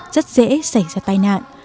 rất dễ xảy ra tai nạn